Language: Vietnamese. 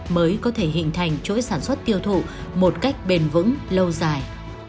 mới có thể hình thành chuỗi sản xuất tiêu thụ một cách bền vững lâu dài